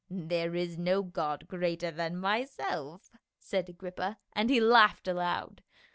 " There is no god greater than myself," said Agrippa, and he laughed aloud.